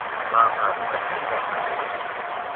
Maqat pasiza’ a